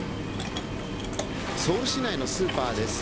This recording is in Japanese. ソウル市内のスーパーです。